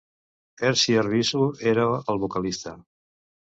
Ersi Arvisu era el vocalista.